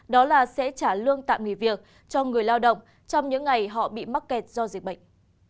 đó là sẽ trả lương tạm nghỉ việc cho người lao động trong những ngày họ bị mắc kẹt do dịch bệnh